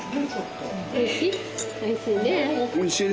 おいしい？